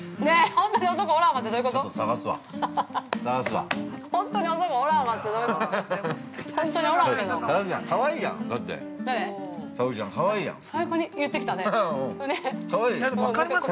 本当に男おらんわってどういうこと？